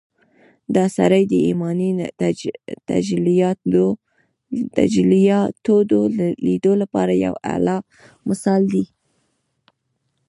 دا سړی د ايماني تجلياتود ليدو لپاره يو اعلی مثال دی.